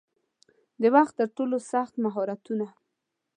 د وخت ترټولو سخت مهارتونه